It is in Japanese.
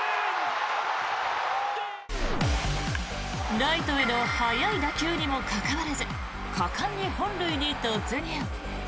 ライトへの速い打球にもかかわらず果敢に本塁に突入。